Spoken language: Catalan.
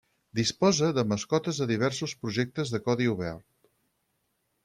Disposa de mascotes de diversos projectes de codi obert.